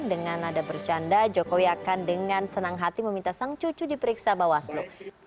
dengan nada bercanda jokowi akan dengan senang hati meminta sang cucu diperiksa bawaslu